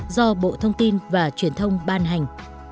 do bộ thông tin và truyền thông ban hành